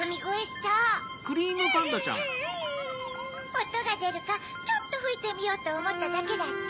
「おとがでるかちょっとふいてみようとおもっただけ」だって？